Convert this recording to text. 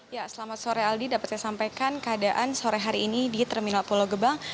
ya selamat sore aldi dapat saya sampaikan keadaan sore hari ini di terminal pulau gebang